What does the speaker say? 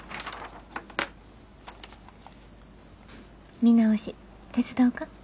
見直し手伝おか？